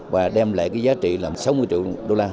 với giá trị là sáu mươi triệu đô la